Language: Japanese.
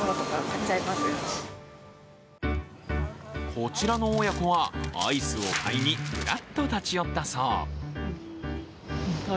こちらの親子は、アイスを買いにふらっと立ち寄ったそう。